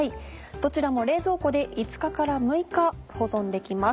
どちらも冷蔵庫で５日から６日保存できます。